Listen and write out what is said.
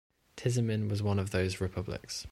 Tizimin was one of those republics.